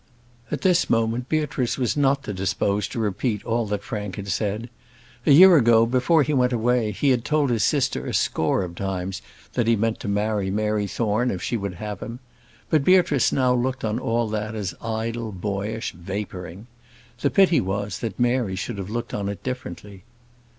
At this moment Beatrice was not disposed to repeat all that Frank had said. A year ago, before he went away, he had told his sister a score of times that he meant to marry Mary Thorne if she would have him; but Beatrice now looked on all that as idle, boyish vapouring. The pity was, that Mary should have looked on it differently.